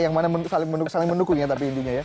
yang mana saling menukunya tapi intinya ya